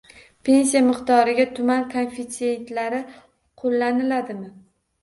Pensiya miqdoriga tuman koeffitsiyentlari qo‘llaniladimi?